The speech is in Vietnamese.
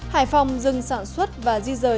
hải phòng dừng sản xuất và di rời